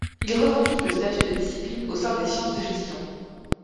Il revendique le statut de discipline au sein des sciences de gestion.